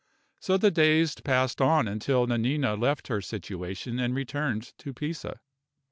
So the days passed on until Nanina left her situation and returned to Pisa.